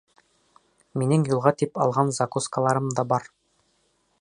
Минең юлға тип алған закускаларым да бар.